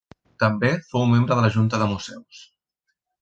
També fou membre de la Junta de Museus.